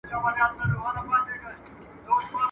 ته له ما جار، زه له تا جار.